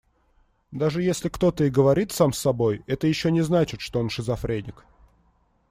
Даже если кто-то и говорит сам с собой, это ещё не значит, что он шизофреник.